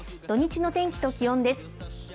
土日の天気と気温です。